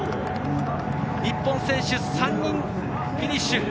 日本選手３人フィニッシュ！